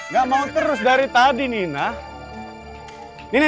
gak mau terus dari tadi nina